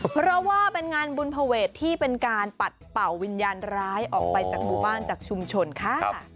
เพราะว่าเป็นงานบุญภเวทที่เป็นการปัดเป่าวิญญาณร้ายออกไปจากหมู่บ้านจากชุมชนค่ะ